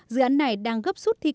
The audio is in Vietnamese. dự án này đang gấp suốt thi công